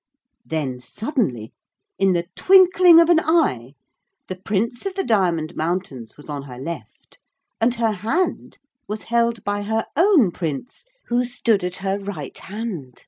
Then suddenly, in the twinkling of an eye, the Prince of the Diamond Mountains was on her left, and her hand was held by her own Prince, who stood at her right hand.